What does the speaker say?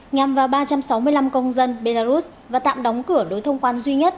nhằm vào ba trăm sáu mươi năm công dân belarus và tạm đóng cửa đối thông quan duy nhất